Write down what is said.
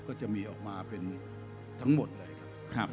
ก็จะมีออกมาเป็นทั้งหมดเลยครับ